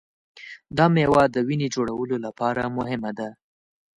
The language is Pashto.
دا مېوه د وینې جوړولو لپاره مهمه ده.